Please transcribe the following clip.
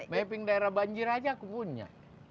mapping daerah banjir aja aku punya